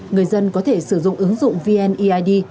người dân có thể sử dụng ứng dụng vneid